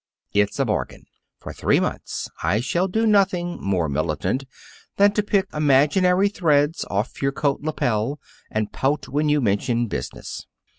"It's a bargain. For three months I shall do nothing more militant than to pick imaginary threads off your coat lapel and pout when you mention business.